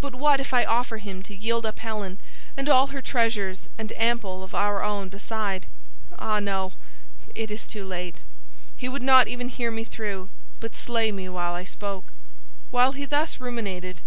But what if I offer him to yield up Helen and all her treasures and ample of our own beside? Ah, no! it is too late. He would not even hear me through, but slay me while I spoke." While he thus ruminated.